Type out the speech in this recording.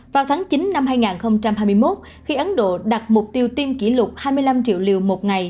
vào tháng chín năm hai nghìn hai mươi một khi ấn độ đặt mục tiêu tiêm kỷ lục hai mươi năm triệu liều một ngày